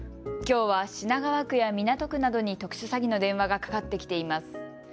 きょうは品川区や港区などに特殊詐欺の電話がかかってきています。